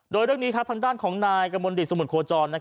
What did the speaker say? โดยเรื่องนี้ทางด้านของนายกระมวลดิตสมุทรโคจร